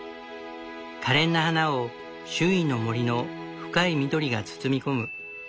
可憐な花を周囲の森の深い緑が包み込む。